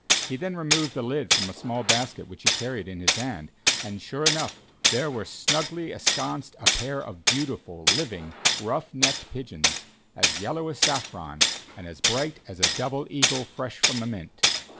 He then removed the lid from a small basket which he carried in his hand, and sure enough, there were snugly ensconced a pair of beautiful, living ruff necked pigeons, as yellow as saffron, and as bright as a double eagle fresh from the mint.